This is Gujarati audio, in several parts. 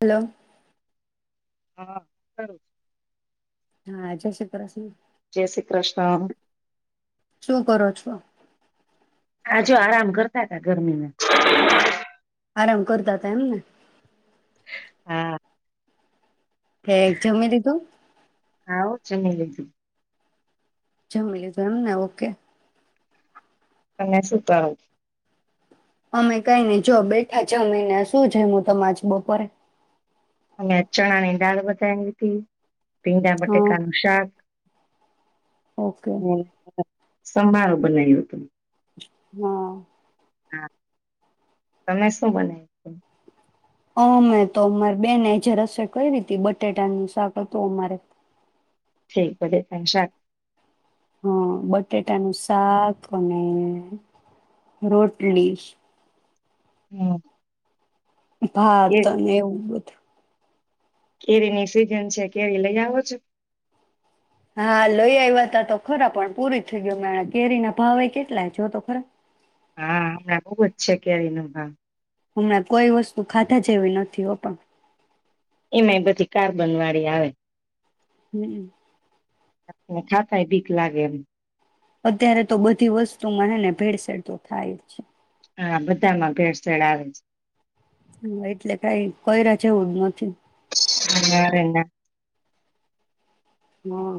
હલો. હા કરું છે [unintelligible] હા જય શ્રી કૃષ્ણ. જય શ્રી કૃષ્ણ શું કરો [inaudible] આજે આરામ કરતા ગરમીમાં. [inaudible] આરામ કરતા હતા એમને. હા. જમી લીધું. હા હો જમી લીધું. જમી લીધું એમને ઓકે. તમે શું કરો અમે કઈને જો બેઠા જમિના શું જમું તમાજ બપોરે અને ચણા ની દાળ વધારે લીધી ભીંડા હા બટાકા નું શાક ઓકે બ [unintelligible] સંભારો બનાવ્યો હા. તમે શું બનાવયુ અમે તો અમારે બેને એજે રસોઈ કરી હતી બટેટાનું શાક હતું અમારે ઠીક બટાકા નું શાક હા બટેટાનું શાક અને રોટલી. હમ્મ ભાત અને એવું બધું કેરીની સીઝન છે કેરી લઈ આવો છો. હા લઈ આવ્યા ત તો ખરા પણ પૂરી થઈ ગઈ મે કેરી ના ભાવ કેટલા જો તો ખરા. હા હમણાં બોજ છે કેરી નો ભાવ હમણાં કોઈ વસ્તુ ખાધા જેવી નથી હો પણ. એમાંય બધી કાર્બન વાળી આવે. હમ્મ ખાધાયે બીક લાગે એમ. અત્યારે તો બધી વસ્તુમા હને ભેળસેડ તો થાય જ છે. હા બધામાં ભેડસેેડ આવે છે. હા એટલે કઈ કર્યા છેવું નથી. છે અને હહમ્મ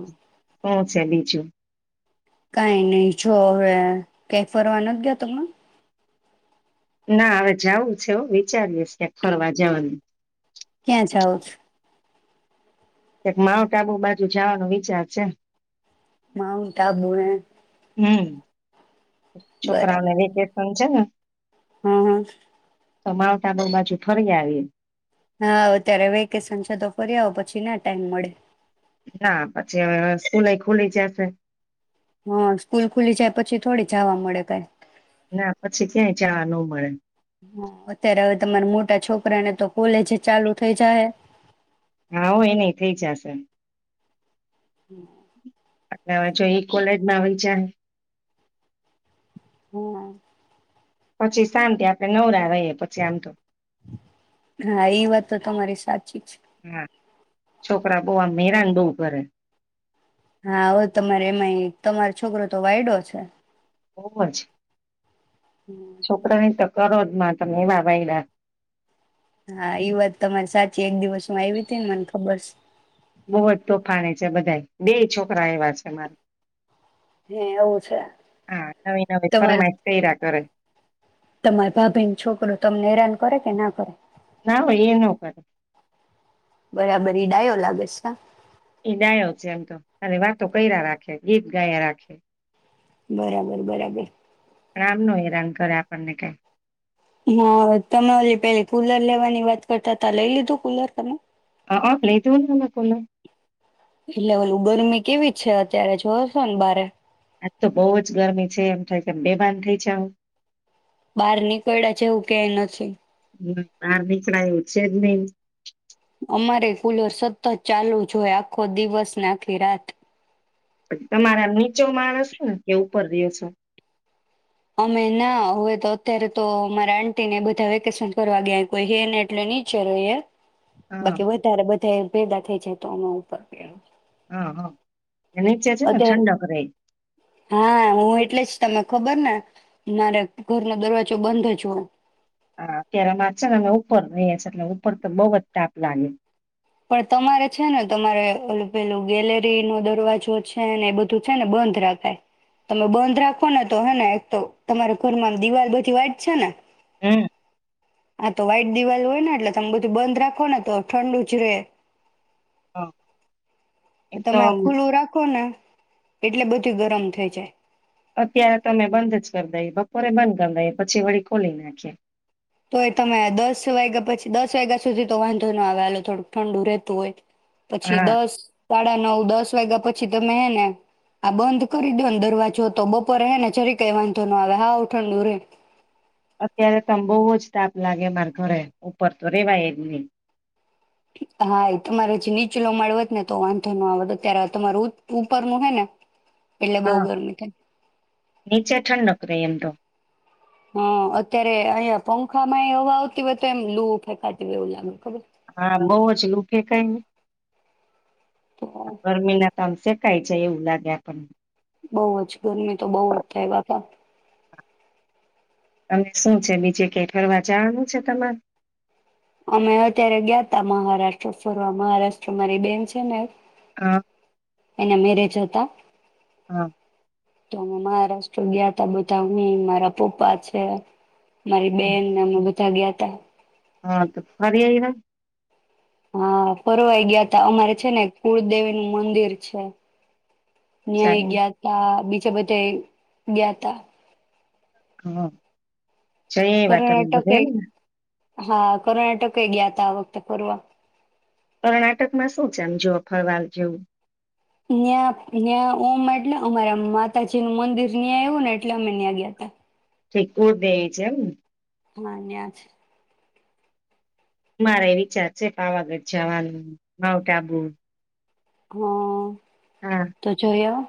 હું છે બીજું. કઈ નહી જો હવે કઈ ફરવા નથી ગયા તમને. ના હવે જવું છે હો વિચારવું છે ફરવા જવાનુ ક્યાં જાઉ છ. એક માઉન્ટ આબુ બાજુ જવાનો વિચાર છે. માઉંન્ટ આબુ હ. હમ્મ છોકરાને વેકેશન છે ને. હા [unintelligible] બાજુ ફરી આવી. હા અત્યારે વેકેશન છે તો ફરી આવો પછી ના ટાઈમ મળે. ના પછી હ સ્કૂલએ ખુલી જશે. હા સ્કૂલ ખુલી જાય પછી થોડી જાવા મળે કઈ. ના પછી ક્યાંય જવા ન મળે. હા અત્યારે હવે તમારા મોટા છોકરા ને તો કોલેજ ચાલુ થઈ જાયે હા હો એન થઇ જાયે હમ્મ અટલે હવે જો ઈ કોલેજમાં આવી જાય [inaudible] પછી શાંતિ આપડે નવરા રહીએ પછી આમ તો. હા એ વાત તો તમારી સાચી છે. હા છોકરા બોવા હેરાન બઉ કરે. હા હો તમારે એમાંય તમારો છોકરો તો વાયડો છે. બોવજ છોકરાની તક કરોજ માં તમે એવા વાઈડા. હા ઈ વાત તમારી સાચી એક દિવસ હું આવી હતી ને મને ખબર છે. બહુ જ તોફાની છે બધા બે છોકરા એવા છે મારે. હે એવું છે. હા નવી નવી ફરમાઈશ કર્યા કરે. તમારે ભાભીને છોકરો તમને હેરાન કરે કે ના કરે. ના હો એ નો કરે. બરાબર ઈ ડાયો લાગેશે છે કા ઈ ડાયો છે એમ તો ખાલી વાતો કર્યા રાખે ગીત ગાયા રાખે. બરાબર બરાબર. આમનો હેરાન કરે આપણને કઈ. હા તમે ઓલી પેલી કુલર લેવાની વાત કરતા હતા લઈ લીધું કુલર તમે. હ ઓ લીધું ને કૂલર એટલે ઓલી ગરમી કેવી છે અત્યારે જોવો જો ને બારે આજ તો બઉુ જ ગરમી છે એમ થાય કેમ બેભાન થઈ જવું બહાર નીકયડા છેવું કાંઈ નથી હમ બાર નીકળાય એવું જે જ નહી અમારે કુલર સતત ચાલુ જ હોય આખો દિવસને આખી રાત તમારા નીચો મારે કે ઉપર રહ્યો છે અમે ના હવે તો અત્યારે તો અમારે આંટી બધા વેકેશન કરવા ગયા કોઈ હેને એટલે નીચે હોઈએ હા બાકી વધારે બધા ભેગા થઈજાય તોમાં ઉપર ગયા હા હા નીચે છે ને અત્યારે ઠંડક રે હા હું એટલે જ તમે ખબર ને મારે ઘરનો દરવાજો બંધ જ હો હ અત્યારે અમે છે ને અમે ઉપર રહીએ છીએ એટલે ઉપર તો બહુ જ તાપ લાગે પણ તમારે છે ને તમારે ઓલું પેલું ગેલેરીનો દરવાજો છે ને એ બધું છે ને બંધ રાખાય તમે બંધ રાખો ને તો હેને એક તો તમારા ઘરમાં દિવાલ બધી વાટ છે ને હમ્મ આ તો વાઈટ દિવાલ હોય ને એટલે તમે બધું બંધ રાખો ને તો ઠંડુ રે હા તમે ખુલ્લું રાખો ને એટલે બધું ગરમ થઈ જાય અત્યારે તમે બંધ જ કરી દઈ બપોરે બંધ કરી દઈ પછી વળી ખોલી નાખી તોય તમે દસ વાગ્યા પછી દસ વાગ્યા સુધી તો વાંધો ના આવે ઓલુ થોડુંક ઠંડુ રહેતું હોય પછી હા. દસ સાડા નવ દસ દસ વાગ્યા પછી તમે હે ને આ બંધ કરી દો ને દરવાજો તો બપોરે હે ને જરી કઈ વાંધો ન આવે હાઉ ઠડું રે અત્યારે તો મ બહુ જ તાપ લાગે મારે ઘરે ઉપર તો રેવાય જ નહી હા એ તમારે જે નીચલો મળવત ને તો વાંધો નો આવત અત્યારે તમારું ઉપર નું હે ને એટલે બહુ હા ગરમી થાય. નીચે ઠંડક રહી એમ તો હા અત્યારે અહંયા પંખા માં હવા આવતી હોય તો એમ લુ ફેકાતી હોય એવું લાગે ખબર હા બહુ જ લૂકે કાય તો ગરમી ના તમ છેકઈ જાયે એવું લાગ્યા કરે બઉુ જ ગરમી તો બહુ જ થાય બાપા અને શું છે બીજે કઈ ફરવા જવાનું છે તમારે? અમે અત્યારે ગયાતા મહારાષ્ટ્ર ફરવા. મહારાષ્ટ્ર મારી બેન છે ને હા એના મેરેજ હ તા. હા. તો મહારાષ્ટ્ર ગયા થા બધા હું, મારા પપ્પા છે. મારી બેનને મમી જાગ્યા તા. હા તો ફરી આઈવા? હા, ફરવાઈ ગયા તા અમારે છે ને કુળદેવી નું મંદિર છે. ન્યાય સારું ગયા તા બી ચ બધાએ ગયા તા. હા. જોઈ એ વાત આમ બધા કર્ણાટકે એમ ને? હા કર્ણાટકે ગયા થા આ વખતે પરવા. કર્ણાટક માં શું છે આમ જો ફરવાલ જેવું? ન્યા ન્યા ઓમ એટલે અમારા માતાજી નું મંદિર ન્યાં આવ્યું ને એટલે અમે ન્યાં ગયા તા. ઠીકુર દઈ છે એમ? હન્યા છ. મારે વિચાર છે પાવાગઢ જવાનું માઉન્ટ આબુ. હા. તો જોયો.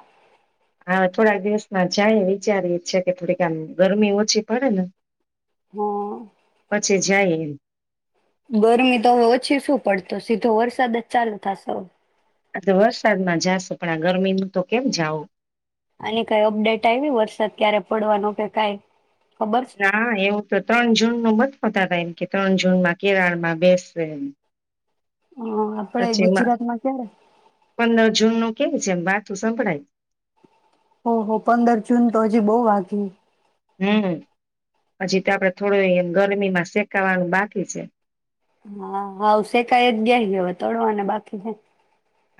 હવે થોડાક દિવસમાં જાય વિચારીએ છે કે થોડીક આમ ગરમી ઓછી પડે ને. હા. પછે જાઈએ. બોરની તો હવે ઓછી શું પડતો સીધો વરસાદ જ ચાલુ થશે. તો વરસાદમાં જાશે પણ આ ગરમી ન તો કેમ જાવ. આની કઈ અપડેટ આવી વરસાદ ક્યારે પડવાનો કે કાઈ? ના એવું તો ત્રણ જૂન નો મત ફતા એમ કે રંજુનમાં કેરારમાં બેસશે એમ. હા આપડે પછી ગુજરાતમાં ક્યારે? જૂનનું કેવુ છે એમ? બાથું સંભળાય. ઓહ ઓહ પંદર જૂન તો હજી બહુ આઘી. હમ્મ, પછી તો આપડે થોડુંય ગરમી માં શેકાવાનું બાકી છે. હા હઉ શેકાઈ જ ગયા હૈ હવે તડવાને બાકી હે.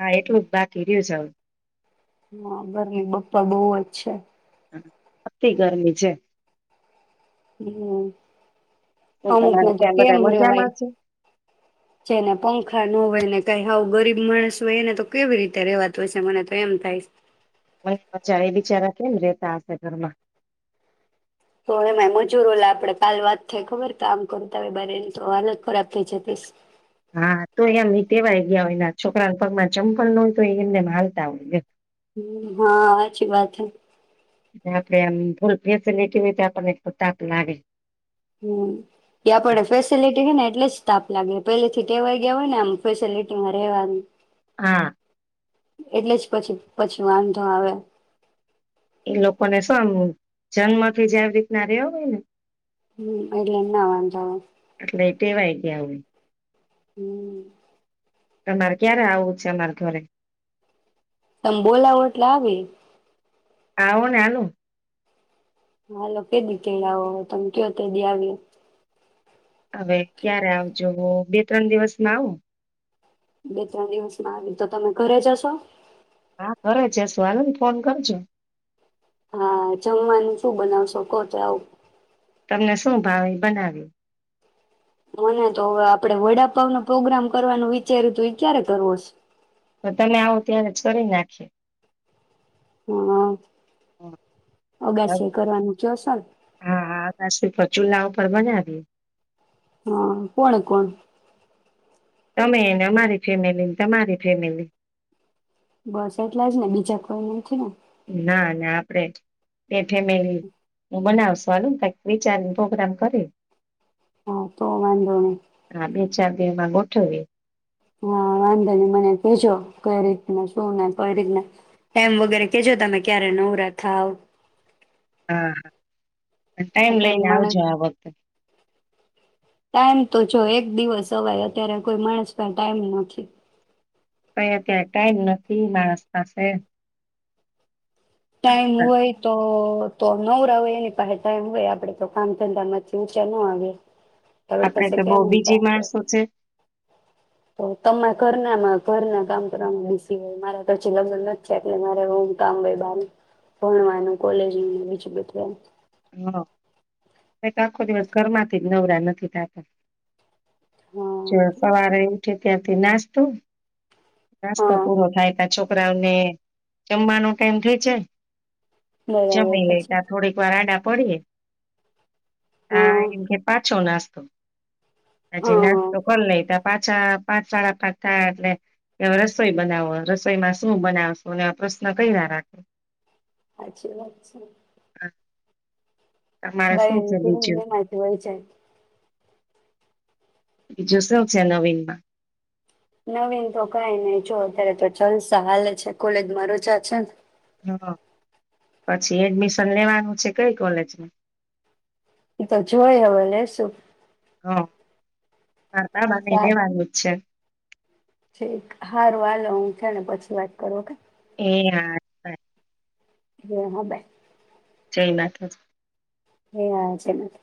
હા એટલું જ બાકી રહ્યું છે હવે. હા ઘરની બપ્પા બહુ જ છે. અતિ ગરમી છે. હમ્મ. શું તમારે અમુકને તો ત્યાં કેમ બધા મજામાં રેવાય. છે જેને પંખા ન હોય એને હા ગરીબ માણસ હોય એને તો કેવી રીતે રેવાતુ હોય છે. મને તો એમ થાય મને મજા એ બિચારા [unintelligible] તો એમાં મજૂરો લ આપડે કાલ વાત થઈ. ખબર તો આમ કરુંતા હોય. બરેની તો હાલત ખરાબ થઈ. જતીશ હા તો એમ એ તેવાય ગયા હોયના છોકરાના પગમાં ચંપલ ન હોય તો એ એમને હાલતા હોય હ હા સાચી વાત હૈ. [unintelligible] હમ એ આપડે ફેસિલિટી હે ને એટલે જ તાપ લાગે પેલેથી ટેવાય ગયા હોય. ને આમ ફેસલિટીમાં રહેવાનું. હા એટલે જ પછી પછી વાંધો આવે. એ લોકોને શાનું જન્મથી [unintelligible] હમ્મ, એટલે નાવાનું જાવા એવું. હમ્મ. તમારે ક્યારે આવું છે અમારે ઘરે? તમ બોલાવો એટલે આવી. આવો ને આલું હાલો કે દિ તેડાવો, તમ કયો તે દિ આવીએ. હવે ક્યારે આવજો, મ અ બે ત્રણ દિવસમાં આવું. બે ત્રણ દિવસમાં આવી, તો તમે ઘરે જ હશો? હા, ઘરે જ હસુુ, હાલો ન ફોન કરજે. હા, જમવાનું શું બનાવશો કો તો આવું. તમને શું ભાવે ઈ બનાવીએ. મને તો હવે આપડે વડાપાવનો પ્રોગ્રામ કરવાનું વિચાયરુ તુ ઈ ક્યારે કરવો છે? તો તમે આવો ત્યારે જ કરી નાખીએ. હા, અગાસીએ કરવાનું ચ્યો સો ન? હા હા પાછું તો ચૂલા ઉપર બનાવીએ. હાં, કોણ? કોણ? તમે એને અમારી ફેમિલી ન તમારી ફેમિલી. બસ એટલા જ ને? બીજા કોઈ નથી ને? ના ના, આપડે જ. એ ફેમિલી ઉં બનાવશ હાલો ન કાંઈક વિચારી ન પ્રોગ્રામ કરી. હા, તો વાંધો નઈ. હા બે ચાર દિ માં ગોઠવી. હા, વાંધા ની મને કેજો કઈ રીતના શું ને કઈ રીતના એમ વગેરે કેજો તમે ક્યારે નવરા થાવ. હા. ટાઈમ અત્યારે લઈને માણસ આવજો આ વખતે. ટાઈમ તો જો એક દિવસ અવાય, અત્યારે કોઈ માણસ પાંહે ટાઈમ નથી. કંઈ અત્યારે ટાઈમ નથી માણસ પાસે. ટાઈમ હોય તો તો નવરા હોય એની પાહે ટાઈમ હોય, આપડે તો કામ ધંધા માંથી ઊંચા ન આવીએ. આપડી આપણેે પાસે તો બઉ કેમ બીજી ટાઈમ હોય માણસો છે. તો તમારે ઘરના માં ઘરના કામ કરવામાં બિઝી હોય, મારા તો હજી લગ્ન નથ થ્યા એટલે મારે બવ કામ હોય બારનું. ભણવાનું કોલેજ નું બીજુ બધુ એમ. હા. કંઈક આખો દિવસ ઘરમાં થી નવરા નથી થાતા. ચ એમ સવારે ઊઠી ત્યાંથી નાસ્તો નાસ્તો હા પૂરો થાય પાછો પરાને જમવાનો ટાઈમ થઈ જાયે બરાબર જમી પછી લેતા થોડીક વાર આડા પડીએ હ હા એમ કે પાછો નાસ્તો હજી હા નાસતો કરલઈએ તાં પાછા પાંચ સાડા પાંચ થાઈ એટલે રસોઈ બનાવો રસોઈમાં શું બનાવશો આવા પ્રશ્ન કર્યા રાખે હાચી વાત છે તમારે શું છે બીજું [unintelligible] બીજું શું છે નવીનમાં નવીન તો કઈ નહી જો અત્યારે તો જલસા હાલે છે કોલેજમાં રજા છે ને હ પછી એડમિશન લેવાનું છે કઈ કોલેજમાં એ તો જોય હવે લે શું હા હા તા મને એને વાંધું જ છે ઠીક હારું હાલો હું જે ને પછી વાત કરું ઓ કે એ હા હો બાય જઈ માતાજી એ હા જય માતાજી